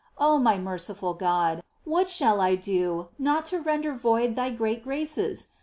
Oh, my merciful God ! what shall I do, not to render void Thy great graces